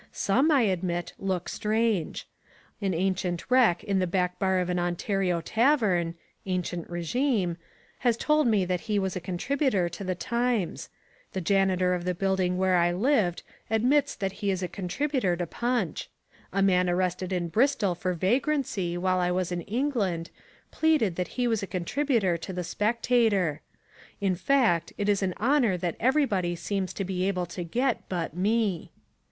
Some, I admit, look strange. An ancient wreck in the back bar of an Ontario tavern (ancient regime) has told me that he was a contributor to the Times: the janitor of the building where I lived admits that he is a contributor to Punch: a man arrested in Bristol for vagrancy while I was in England pleaded that he was a contributor to the Spectator. In fact, it is an honour that everybody seems to be able to get but me.